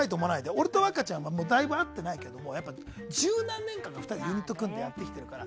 俺と若ちゃんはだいぶ会っていないけど十何年間ユニットを組んでやってきてるから。